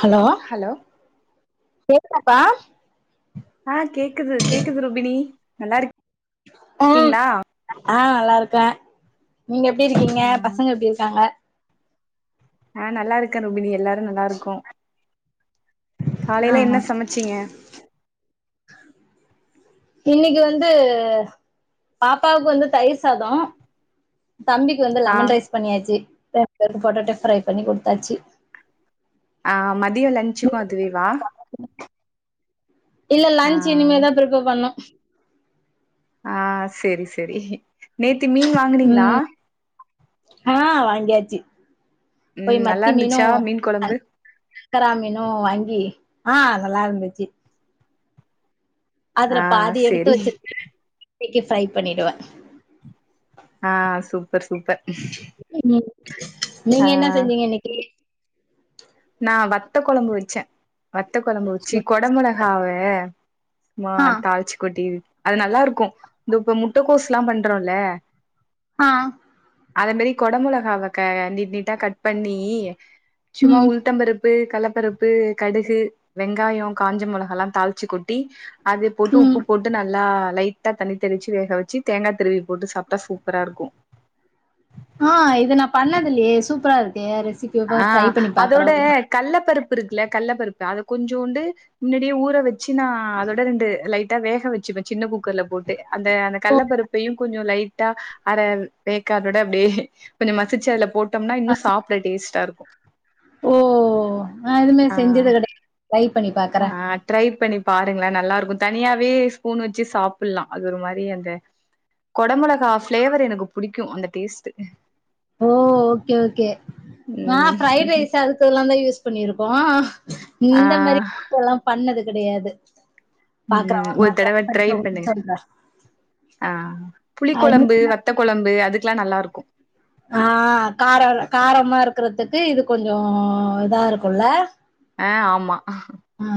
Hello hello கேக்குதாப்பா ஆ கேக்குது கேக்குது ரூபிணி நல்லாருக் ஆ நல்லாருக்க நீங்க எப்டி இருக்கீங்க ஆ பசங்க எப்டி இருக்காங்க ஆ நல்லாருக்கே ரூபிணி எல்லாரு நல்லாருக்கோ ஆ காலைல ஆ என்ன சமச்சீங்க இன்னிக்கு வந்து பாப்பாவுக்கு வந்து தயிர் சாதோ தம்பிக்கு வந்து ஆ லெமன் ரைஸ் பண்ணியாச்சு ரெண்பேருக்கூ பொட்டோட்டோ ஃப்ரை பண்ணி குடுத்தாச்சு ஆ மதியோ லஞ்சுக்கு அதுவேவா இல்ல ஆ லஞ்ச் இனிமேதா பிரிப்பர் பண்ணு ஆ செரி செரி நேத்தி மீன் வாங்னீங்ளா ம் ஆ வாங்கியாச்சு ம் போய் நல்லா மத்தி மீனு இருந்துச்சா மீன் அ கொழம்பு சங்கரா மீனு வாங்கி ஆ நல்லாருந்துச்சி ஆ அதுல பாதி எடுத்து செரி வச்சிருக்க இன்னிக்கு ஃப்ரை பண்ணிடுவ ஆ சூப்பர் சூப்பர் ம் ஆ நீங்க என்னா செஞ்சீங்க இன்னிக்கி நா வத்த கொழம்பு வச்ச வத்த கொழம்பு வச்சி கொடமொளகாவ சும்மா ஆ தாள்ச்சி கொட்டி அது நல்லாருக்கு தோ இப்ப முட்டக்கோஸ்லா பண்றோல ஆ அத மாரி கொட மொளகாவ க நீட் நீட்டா கட் பண்ணி சும்மா ம் உள் ப்பு கல்லப்பருப்பு கடுகு வெங்காயொ காஞ்ச மொளகலா தாள்ச்சி கொட்டி அது போட்டு ம் உப்பு போட் ட்டு நல்லா லைட்டா தண்ணி தெளிச்சு வேக வச்சு தேங்கா திருவி போட்டு சாப்டா சூப்பராருக்கு ஆ இது நா பண்ணதுல்லையே சூப்பராருக்கே ரெசி ஆ அதோட கல்ல பருப்பு இருக்குல்ல கல்ல பருப்பு அத கொஞ்சோண்டு முன்னேடியே ஊற வச்சு நா அதோட ரெண்டு லைட் ட்டா வேக வச்சுப்ப சின்ன குக்கர்ல போட்டு அந்த அந்த ஓ கல்லப்பருப் பயு கொஞ்சொ லைட்டா அர வேக்காடோட அப்டியே கொஞ்சொ மசிச்சு அதுல போட்டோம்னா இன்னு சாப் ட டேஸ்டாருக்கு ஓ நா அதுமே ஆ செஞ்சது கெடையாது ட்ரை பண்ணி பாக் ஆ ட்ரை பண்ணி பாருங்ளே நல்லாருக்கு தனியாவே ஸ்பூன் வச்சு சாப்டலா அது ஒரு மாரி அந்த கொட மொளகா ஃபிளேவர் எனக்கு புடிக்கு அந்த டேஸ்டு ஓ ஓகே ஓகே நா ம் ஃபிரைட் ரைஸ் அதுக்கெல்லாதா யூஸ் பண்ணிருக்கோ ஆ இந்த மெரி கூட்டெல்லா பண்ணது கெடையாது பாக்குறே ம் ஒரு நாள் தடவ ட்ரை பண்ணிட்டு உங்களுக்கு பண்ணுங் சொல்றே ஆ புளி கொழம்பு வத் வத்த கொழம்பு அதுக்கெல்லா நல்லாருக்கு ஆ கார காரமா இருக்கிறதுக்கு இது கொஞ்சொ இதா இருக்குல அ ஆமா ஆ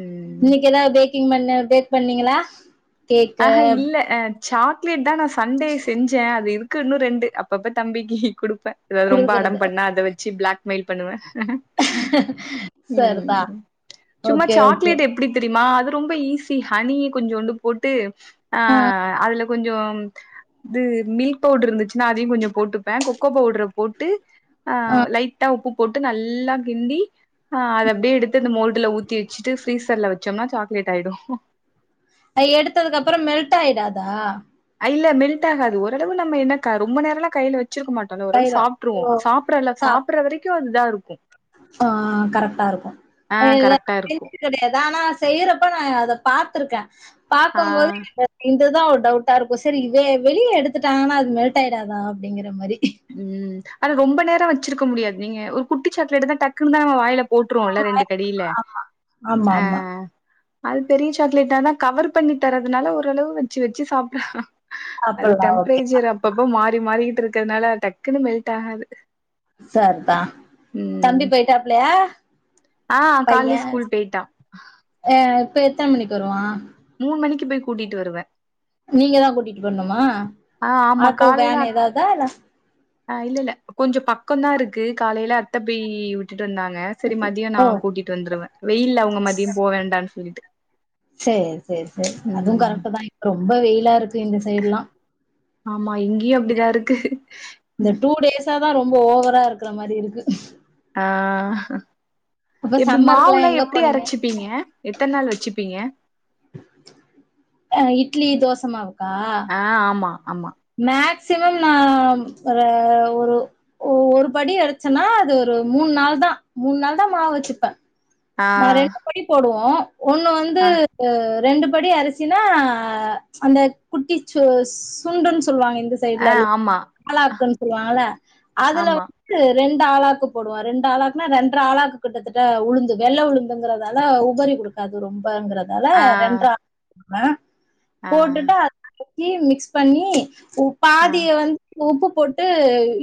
ம் இன்னைக்கு ஏதாது பேக்கிங் பண்ண பேக் பண்ணீங்களா கேக்கு ஆஹ இல்ல அ சாக்லேட் தா நா சண்டே செஞ்சே அது இருக் கு இன்னு ரெண்டு அப்பப்ப தம்பிக்கு குடுப்ப ஏதாது ரொம்ப குடுக்குறது அடம் பண்ணா அத வச்சு பிளாக் மெயில் பண்ணுவ சரிதா ம் சும்மா ஓகே ஓகே சாக்லேட் எப் ப்டி தெரியுமா அது ரொம்ப ஈஸி ஹனிய கொஞ்சோண்டு போட்டு ஆ அதுல கொஞ்சோ இது மில்க் பவுடர் இருந்துச்சுனா அதையு கொஞ்ச போட்டுப்ப கொக்கோ பவுடர போட்டு ஆ லைட்டா உப்பு போட்டு நல்லா கிண்டி ஆ அத அப்டியே எடுத்து அந்த மோல்டுல ஊத்தி வச்சுட்டு ஃப்ரீசர்ல வச்சோம்னா சாக்லேட் ஆயிடு அ எடுத்ததுக்கு அப்புற மெல்ட் ஆயிடாதா இல்ல மெல்ட் ஆகாது ஓரளவு நம்ம என்னக் க ரொம்ப நேரோலா கைல வச்சிருக்க மாட் அத ஒரளவு கைல சாப்ட்ருவோ ஓ சாப்டறல சாப் சாப்பற வரைக்கு அது இதா இருக்கு ஆ கரெட்டா இருக்கு ஆ கரெக்டா அ இருக்கு கெடையாது ஆனா செய்யறப்ப நா அத பாத்திருக்கே ஆ பாக்கும் போது எனக்கு அ இதுதா ஒரு டவுட்டா இருக்கு சேரி வெ வெளிய எடுத்துட்டாங்கன்னா அது மெல்ட் ஆயிடாதா அப்டிங்கிற மாரி ம் ஆனா ரொம்ப நேர வச்சிருக்க முடியாது நீங்க ஒரு குட்டி சாக்லேட் தா டக்குன்னு தா நம்ம வாய்ல போட்ருவோல ரெண்டு கடியில ஆமா ஆ ஆமா அது பெரிய சாக்லேட் ஆனா கவர் பண்ணி தரதுனால ஓரளவு வச்சு வச்சு சாப் அது சாப்பல்லா ஓகே டெம்பரேச்சர் அப்பப்ப மாறி மாறிக்கிட்டு இருக்கிறனால டக்குன்னு மெல்ட் ஆகாது சர்தா ம் தம்பி போயிட்டாப்புலையா ஆ காலைலேயே ஸ்கூல் போயிட்டா ஆ இப்ப எத்தன மணிக்கு வருவா மூணு மணிக்கு போய் கூட்டிட்டு வருவே நீங்க தா கூட்டிட்டு பண்ணுமா ஆ ஆமா ஆட்டோ காலையில வேன் அத் ஏதாவதா இல்ல ஆ இல்ல இல்ல கொஞ்ச பக்கோந்தா இருக்கு காலையில அத்த போய் விட்டுட்டு வந்தாங்க சேரி மதிய நா ஓ கூட்டிட்டு வந்துருவே வெயில்ல அவுங்க மதிய போ வேண்டானு சொல்லிட்டு சேர் சேர் சேர் அதுவு ம் கரெக்ட் தா இப்ப ரொம்ப வெயிலா இருக்கு இந்த சைடு எல்லா ஆமா இங்கயு அப்டிதா இருக்கு இந்த டூ டேஸா தா ரொம்ப ஓவரா இருக்குற மாரி இருக்கு ஆ அப்ப எப்டி சம்மருக்குல்லா மாவுலா எங்க எப்டி போனீங்க அரச்சுப்பீங்க எத்தன் நாள் வச்சுப்பீங்க ஆ இட்லி தோச மாவுக்கா ஆ ஆமா ஆமா மேக்சிமம் நா ஒர ஒரு ஓ ஒரு படி அரைச்சன்னா அது ஒரு மூணு நாள் தா மூணு நாள் தா மாவு வச்சுப்பே ஆ நா ரெண்டு படி போடுவோ ஒன்னு வந்து ஆ ரெண்டு படி அரிசினா அந்த குட்டி சுஸ் சுண்டுன்னு சொல்லுவாங்க இந்த சைட்ல ஆ ஆமா ஆளாக்குன்னு சொல்லுவாங்கல்ல அதுல வ ஆமா து ரெண்டு ஆளாக்கு போடுவோ ரெண்டு ஆளாக்குனா ரெண்டுர ஆளாக்கு கிட்டத்தட்ட உழுந்து வெள்ளை உளுந்துங்கறதால உபரி குடுக்காது ரொம்பங்கறதால ஆ ரெண்டர வே ஆ போட்டுட்டு அத அரைச்சி மிக்ஸ் பண்ணி ஒ ஆ பாதிய வந் பு உப்பு போட்டு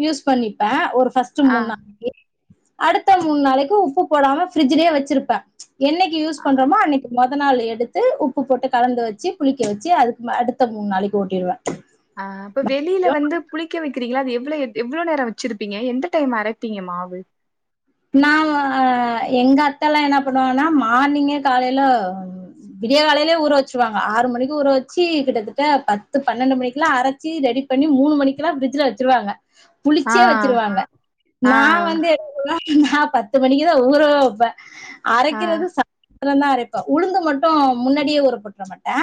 யூஸ் பண்ணிப்பே ஒரு ஃபஸ்ட்டு ஆ அ மூணு நாளைக்கு அடுத்த மூணு நாளைக்கு உப்பு போடாம ஃப்ரிட்ஜ்லயே வச்சிருப்பே என்னைக்கு யூஸ் பண்றோமோ அன்னைக்கு மொத நாள் எடுத்து உப்பு போட்டு கலந்து வச்சு புளிக்க வச்சு அதுக்கு அடுத்த மூணு நாளைக்கு ஓட்டிடுவே ஆ அப்ப வெளில வந்து புளிக்க வைக்கிறீங்களா அது எவ்ள எத் எவ்ளோ நேர வச்சிருப்பங்க எந்த டைம் அரப்பீங்க மாவு நா எங்க அத்த எல்லா என்ன பண்ணுவாங்கனா மார்னிங்கே காலையில விடிய காலையிலே ஊற வச்சிருவாங்க ஆறு மணிக்கு ஊற வச்சு கிட்டத்தட்ட பத்து பன்னெண்டு மணிக் எல்லா அரைச்சி ரெடி பண்ணி மூணு மணிக்கெல்லா ஃப்ரிஜில வச்சிருவாங்க ஆ புளிச்சே வச்சிருவாங்க ஆ நா வந்து [inaudible] நா பத்து மணிக்குதா ஊரவே வப்பே ஆ அரைக்கிறது சா அப்பறந்தா அரைப்பே உளுந்து மட்டு முன்னாடியே ஊற போற்ற மாட்டே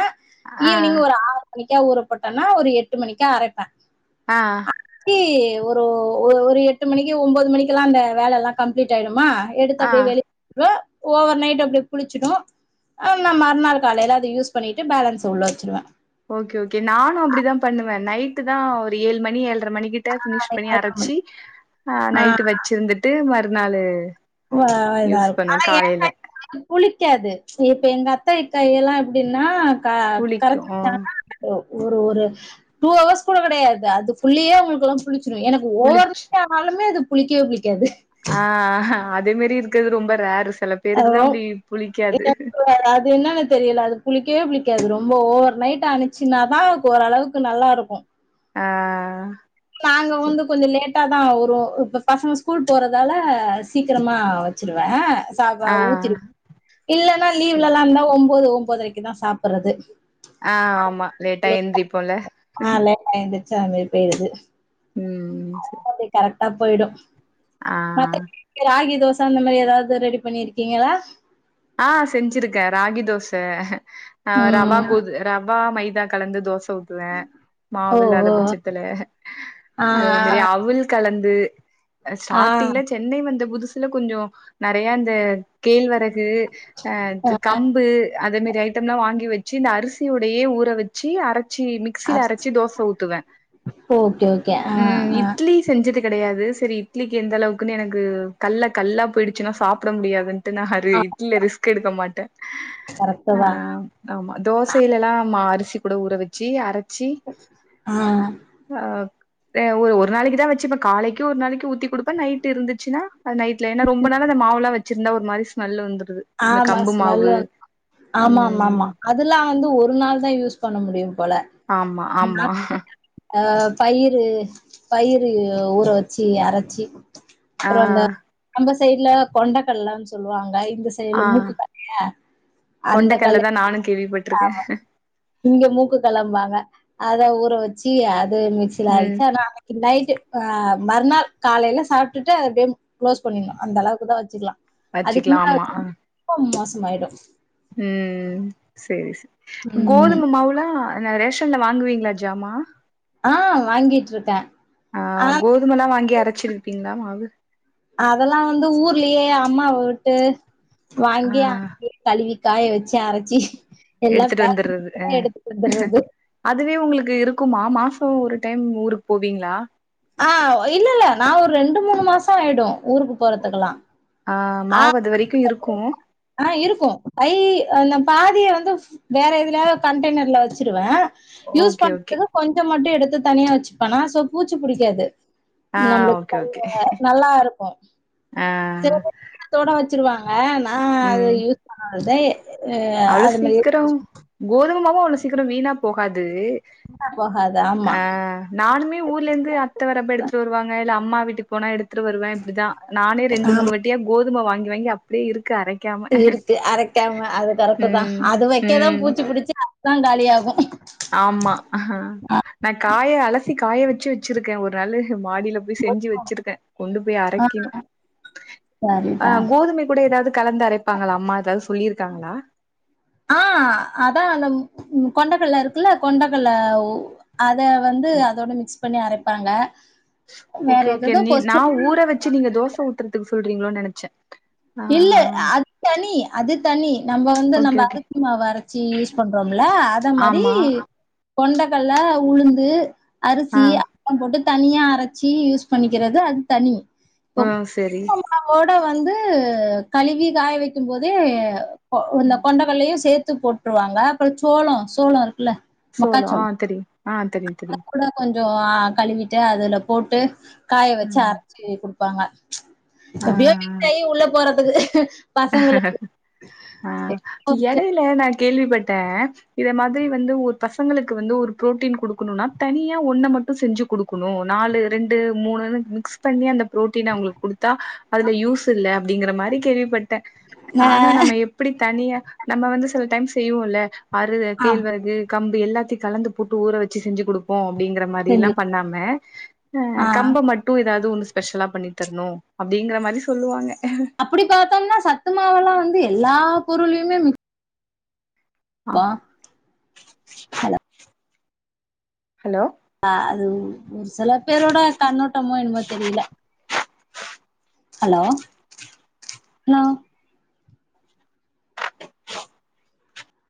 ஆ ஈவினிங் ஒரு ஆறு மணிக்கா ஊறப்போட்டன்னா ஒரு எட்டு மணிக்கா அரப்பே ஆ கீ ஒரு ஒரு எட்டு மணிக்கு ஒன்பது மணிக்குல்லா. அந்த வேலை எல்லா கம்ப்ளீட் ஆயிடுமா எடுத்து ஆ அப்டியே வெளி வே ஓவர் நைட் அப்டியே பூளுச்சுடு ஆ நா மறுநாள் காலைல அத யூஸ் பண்ணிட்டு பேலன்ஸ் உள்ள வச்சுருவே ஓகே ஓகே நானு அப்டிதா பண்ணுவே நைட்டு தா ஒரு ஏழு மணி ஏழரை மணிக்கு டா ஃபினிஷ் பண்ணி அரைச்சி ஆ நைட்டு வச்சிருந்துட்டு மறுநாளு ஓ ஆ இதா யூஸ் இருக்கு பண்ணுவே ஆனா ஏ காலைல கை புளிக்காது இப்ப எங்க அத்த வீட் காயில்லா எப்டின்னா கா புளிக்கு கரெக்ட் ஆ தா [inaudible] ஒரு ஒரு டூ ஹவர்ஸ்சு கூட கெடயாது அதுக்குள்ளியே உங்ளுக்லா புளிச்சிடும் எனக் கு ஓவர் [inaudible] புளிச் நைட்டானலுமே அது புளிக்கவே புளிக்காது ஆ அதே மாரி இருக்கிறது ரொம்ப ரேரு சில பேருக்கு தா அப்டி புளிக்காது அது என்ன னெத் தெரில அது புளிக்கவே புளிக்காது ரொம்ப ஓவர் நைட் அனுச்சுனா தா ஓரளவுக்கு நல்லாருக்கு ஆ நாங்க வந்து கொஞ்சோ லேட்டா தா வருவோ இப்ப பசங்க ஸ்கூல் போறதால சீக்கிரமா வந் ஆ வச்சிடுவ இல்லன்னா செரி லீவ்லல்லா இருந்தா ஒம்போது ஒம்பத்ரைக்கு தா சாப்பறது ஆ ஆமா லேட்டா எந்த்ரிப்போல காய்ல எந்துருச்ச அப்டியே போய்றது ம் செர் அது கரெக்டா போய்டு மாத்ர ராகி தோச அந்த மாரி எதாவ்து ரெடி பண்ணிருக்கீங்களா ஆ செஞ்சிருக்க ராகி தோச ஆ ரவா ம் கோது ரவா மைதா கலந்து தோச ஊத்துவே ஓ மாவு இல்லாத ஓ பட்சத்துல ஆ அத அவுல் கலந்து ஆ ஸ்டார்டிங்லச் சென்னை வந்த புதுசுல கொஞ்சோ நெறைய அந்த கேழ்வரகு ஆ து கம்பு அதே மாரி ஐட்டம்ல்லா வாங்கி வெச்சு இந்த அரிசிய உடையே ஊற வெச்சு அரச்சி மிக் ஆ ஸ்சில அரச்சி தோச ஊத்துவ ஓகே ஓகே ஆ ஆ செஞ்சது கெடயாது செரி இட்லிக்கு எந்த அளவுக்குன்னு எனக்கு கல்ல கல்லா போயிடுச்சுன்னா சாப்ட முடியாதுன் ட்டு நா அரே ஆ இட்ல ரிஸ்க் எடுக்க மாட்டே கரெக்ட்டு ஆ தா ஆமா தோசைலலா மா அரிசி கூட ஊற வெச்சு அரச்சி ஆ ஆ அ ஒரு நாளைக்கு தா வச்சுப்ப காலைக்கு ஒரு நாளைக்கு ஊத்தி குடுப்ப நைட்டு இருந்துச்சுன்னா அது நைட் ல ஏன்னா ரொம்ப நாள் அந்த மாவுலா வெச்சிருந்தா ஒரு மாரி ஸ்மெல்லு வந்து க்குது இந்த ஆமா கம்பு மாவு ம் அதுல்லா வந்து ஒரு நாள் தா யூஸ் பண்ண முடியும் போல ஆமா ஆமா ஆ பயிரு பயிரு ஊற வச்சு அரச்சு ஆ அப்புறம் அந்த நம்ப சைட்ல கொண்டக்கல்லன் சொல்வாங்க இந்த சை ஆ சைட்ல மூக்கு கல்லையா அந்த கொண்டக்கல்ல கல்ல தா நானு கேள்விப்பட்ருக்கே இங்க மூக்கு கல்லம்பாங்க அத ஊற வச்சு அது மிக்சில ம் ஆச்சு ஆனா நைட்டு அ மறுநாள் காலையில சாப்ட்டுட்டு அ அப்டே குளோஸ் பண்ணிணு அந்த அளவுக்கு தா வச்சுக்லாம் அதுக்கு வச்சுக்கலா மேல ஆமா ஆ ரொம்ப மோசம் ஆயிடு ம் ம் செரி செ ம் கோதும மாவுல ஆனா ரேஷன்ல வாங்குவீங்ளா ஜாமா ஆ வாங்கிட்ருக்க ஆ கோதுமலா வாங்கி அரச்சிருப்பீங்ளா மாவு அதெல்லா வந்து ஊர்லயே அம்மா ஊட்டு ஆ வாங்கி [inaudible] கழுவி காய வெச்சு அரச்சி எல்லா எடுத்துட்டு பேக் [inaudible] வந்துர்றது அ போனா எடுத்துட்டு வந்துட்றது அதுவே உங்களுக்கு இருக்குமா மாசோ ஒரு டைம் ஊருக்கு போவீங்ளா ஆ இல்ல இல்ல நா ஒரு ரெண்டு மூணு மாசோ ஆயிடு ஊருக்கு போறதுக்கெல்லா ஆ மாவு அது வரைக்கு இருக்கு ஆ இருக்கு ஐ அந்த பாதியை வந்து வேற எதுலையாவு கண்டெய்னர்ல வச்சிருவ யூஸ் ஓகே ஓகே பண்றத கொஞ்சோ மட்டு எடுத்து தனியா வச்சுப்பானா சோ பூச்சி புடிக்காது ஆ நம்மளுக்கு ஓகே ஓகே கல்ல நல்லா இருக்கு ஆ சில பேர் ஈரத்தோட வச்சிருவாங்க நா அதை ம் யூஸ் பண்ணாதத அ அது மேரியே கோதுமமாவு அவ்ளோ சீக்கிரோமா வீணா போகாது போகாது ஆமா ஆ நானுமே ஊர்ல இருந்து அத்த வரப்ப எடுத்துட்டு வருவாங்க இல்ல அம்மா வீட்டுக்கு போனா எடுத் துட்டு வருவே இப்டிதா நானே ரெண்டு ஆமா மூணு வட்டியா கோதும வாங்கி வாங்கி அப்டியே இருக்கு அரைக் க இருக்கு அரைக்காம அது கரெக்ட் தா ம் அது வைக்கதா ம் பூச்சி புடிச்சி இதா காலியாகு ஆமா ஆ நா காய அலசி காய வச்சு வச்சிருக்கே ஒரு நாளு மாடில போய் செஞ்சு வச்சிருக்கே கொண்டு போய் ஆ அரைக்கிணு அ சரிதான் கோதுமை கூட எதாவுது கலந்து அரைப்பாங்ளா அம்மா எதாவுது சொல்லியிருக்காங்ளா ஆ அதா அந்த கொண்டக்கல்ல இருக்குல்ல கொண்டக்கல்ல அத வந்து ம். அதோட மிக்ஸ் பண்ணி அரைப்பாங்க வேற ஓகே ஓகே ஏதோ நீ நா கொஸ்டின் ஊர வச்சு நீங்க தோச ஊத்துறதுக்கு சொல்றீங்களோ நெனைச்சே இல்ல அது தனி அது தனி நம்ம வந்து ஓகே நம்ம ஓகே அரிசி மாவு அரச்சி யூஸ் பண்றோம்ல அத மாரி ஆமா கொண்டகள்ல உளுந்து ஆ அரிசி சோள போட்டு தனியா அரைச்சி யூஸ் பண்ணிக்கிறது அது தனி ம் சரி அதோட வந்து கழுவி காய வைக் கிபோதே அ இந்த கொண்டகளல்லையு சேத்து போட்டு ருவாங்க அப்றோ சோளோ சோளோ இருக்குல்ல சோலோ ஆ மக்காச்சோளோ தெரியு ஆ தெரியு தெரியு கூட கொஞ்சோ கழுவிட்டு அதுல போட்டு காய வச்சு ம். அரைச்சு குடுப்பாங்க ஆ எப்டியோ விட்டாயி உள்ள போறதுக்கு பசங்களுக்கு ஆ எடையில நா கேள்விப்பட்டே இத மாதிரி வந்து ஒரு பசங்களுக்கு வந்து ஒரு புரோட்டீன் குடுக்குணுனா தனியா ஒன்ன மட்டு செஞ்சு குடுக் குனு நாலு ரெண்டு மூணுனு மிகஸ் பண்ணி அந்த புரோட்டீன் அவுங்களுக்கு குடுத்தா அதுல யூஸ் இல்ல அப்டிங்கிற மாரி கேள்விப்பட்டே ஆ ஆனா நம்ம எப் எப்டி தனியா நம்ம வந்து சில டைம் செய்வோல அறு ஆ கேழ்வரகு கம்பு எல்லாத்தையு கலந்து போட்டு ஊற வச்சு செஞ்சு குடுப் ப்போ அப்டிங்கிற மாரி எல்லா செஞ்சு பண்ணாம ஆ கம்ப மட்டு எதாவுது ஒண்ணு செஞ் ஸ்பெஷலா பண்ணி தரணு அப்டிங்கற மாரி சொல்லுவாங்க அப்டி பாத்தோம்னா சத்து மாவெல்லா வந்து எல்லா பொருளுயுமே மிக்ஸ் ஆ ப்பா ஹலோ அ அது சில பேரோட கண்ணோட்டமோ என்னுமோ தெரியில ஹலோ ஹலோ